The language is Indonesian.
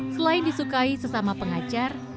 selain disukai sesama pengajar